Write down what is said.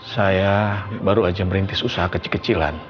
saya baru aja merintis usaha kecil kecilan